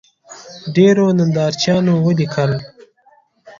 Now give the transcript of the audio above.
ډېرو نندارچیانو ولیکل